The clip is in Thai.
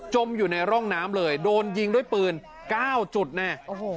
อยู่ในร่องน้ำเลยโดนยิงด้วยปืน๙จุดแน่